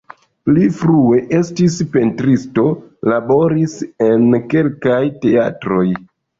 Pli frue estis pentristo, laboris en kelkaj teatroj.